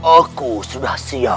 aku sudah siap